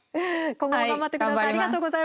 今後も頑張ってください。